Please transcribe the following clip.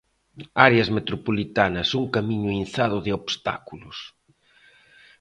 'Áreas metropolitanas, un camiño inzado de obstáculos'.